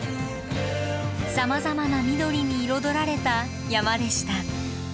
さまざまな緑に彩られた山でした。